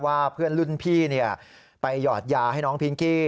ว่าเพื่อนรุ่นพี่ไปหยอดยาให้น้องพิงกี้